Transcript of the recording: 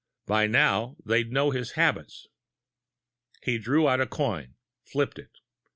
By now, they'd know his habits! He drew out a coin, flipping it.